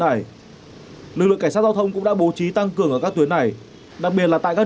hải lực lượng cảnh sát giao thông cũng đã bố trí tăng cường ở các tuyến này đặc biệt là tại các